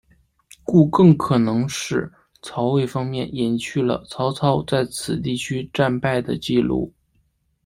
故更可能是曹魏方面隐去了曹操在此地区战败的记录。